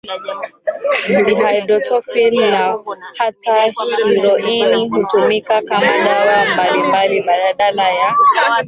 dihaidroetofini na hata heroini hutumika kama dawa mbadala badala ya